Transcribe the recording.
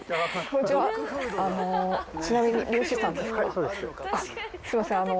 すいません。